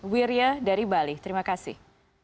wirya dari bali terima kasih